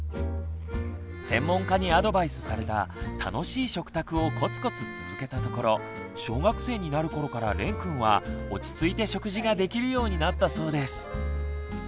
専門家にアドバイスされた「楽しい食卓」をコツコツ続けたところ小学生になる頃かられんくんは落ち着いて食事ができるようになったそうです。